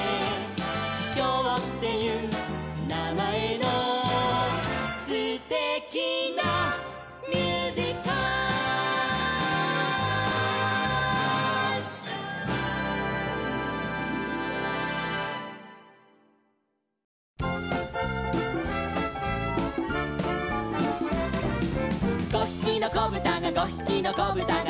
「きょうっていうなまえのすてきなミュージカル」「５ひきのこぶたが５ひきのこぶたが」